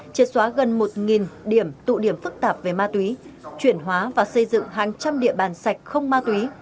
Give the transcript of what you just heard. triệt xóa gần một điểm tụ điểm phức tạp về ma túy chuyển hóa và xây dựng hàng trăm địa bàn sạch không ma túy